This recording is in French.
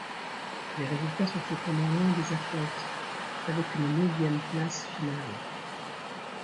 Les résultats sont cependant loin des attentes avec une neuvième place finale.